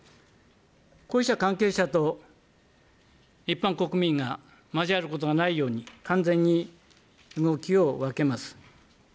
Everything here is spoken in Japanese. こうした関係者と一般国民が交わることがないように、完全に動きを分けます。